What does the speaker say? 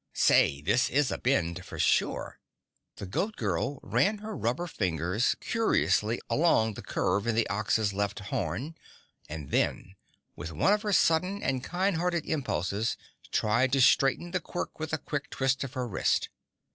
Say, this is a bend, for sure." The Goat Girl ran her rubber fingers curiously along the curve in the Ox's left horn and then, with one of her sudden and kind hearted impulses, tried to straighten the quirk with a quick twist of her wrist.